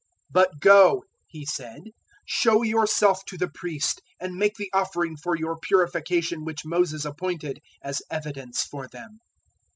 "But go," He said, "show yourself to the Priest, and make the offering for your purification which Moses appointed, as evidence for them."